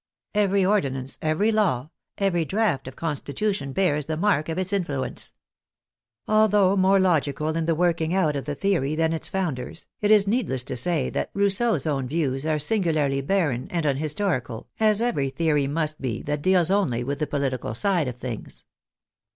Every ordi nance, every law, every draft of constitution bears the mark of its influence. Although more logical in the work ing out of the theory than its founders, it is needless to say that Rousseau's own views are singularly barren and unhistorical, as every theory must be that deals only with the political side of things.